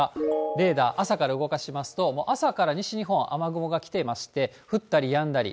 レーダー、朝から動かしますと、もう朝から西日本、雨雲が来ていまして、降ったりやんだり。